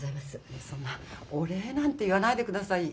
いえそんなお礼なんて言わないでください。